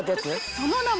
その名も。